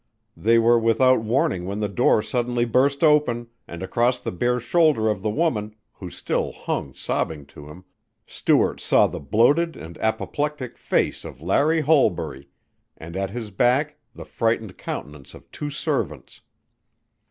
They were without warning when the door suddenly burst open, and across the bare shoulder of the woman, who still hung sobbing to him, Stuart saw the bloated and apoplectic face of Larry Holbury and at his back the frightened countenance of two servants.